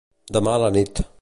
Demà a la nit.